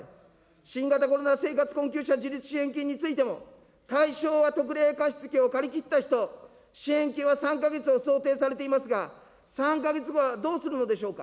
新型コロナ生活困窮者自立支援金についても、対象は特例貸付を借り切った人、支援金は３か月を想定されていますが、３か月後はどうするのでしょうか。